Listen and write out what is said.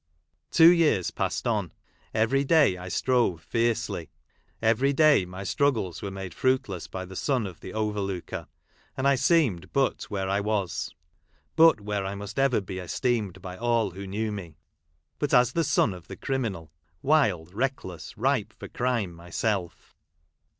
Two years passed on. Every day I strove "fiercely ; every day my struggles were made fruitless by the son of the overlooker ; and I seemed but where I was — but where I must ever be esteemed by all who knew me — but as the son of the criminal — wild, reckless, ripe for crime myself.